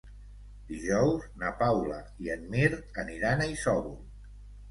Dijous na Paula i en Mirt aniran a Isòvol.